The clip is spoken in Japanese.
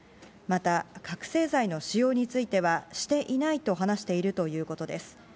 また、覚醒剤の使用については、していないと話しているということです。